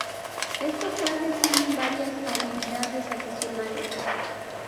Estos trajes tienen varias habilidades adicionales.